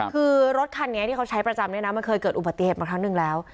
คือรถคันนี้ที่เขาใช้ประจำเนี่ยนะมันเคยเกิดอุบัติเหตุมาครั้งหนึ่งแล้ว